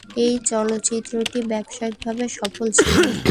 এই চলচ্চিত্রটি ব্যবসায়িকভাবে সফল ছিল।